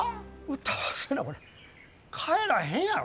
歌わせなこれ帰らへんやろ。